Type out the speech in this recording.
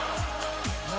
何？